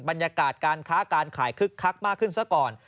บรรยากาศการค้าการขายคึกคักมากขึ้นซะก่อน